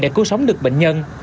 đã cứu sống được bệnh nhân